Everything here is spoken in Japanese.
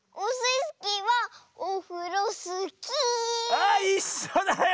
あいっしょだよ！